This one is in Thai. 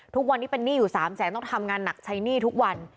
ทุกวันนี้เป็นหนี้อยู่๓แสนต้องทำงานหนักใช้หนี้ทุกวัน